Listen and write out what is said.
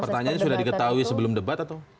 pertanyaannya sudah diketahui sebelum debat atau